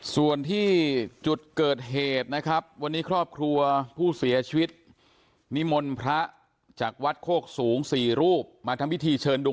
ส่วนที่จุดเกิดเหตุนะครับวันนี้ครอบครัวผู้เสียชีวิตนิมนต์พระจากวัดโคกสูง๔รูปมาทำพิธีเชิญดวง